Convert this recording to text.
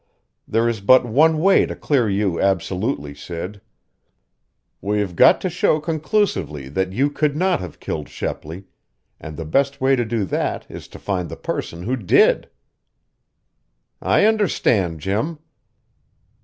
There is but one way to clear you absolutely, Sid. We've got to show conclusively that you could not have killed Shepley, and the best way to do that is to find the person who did." "I understand, Jim."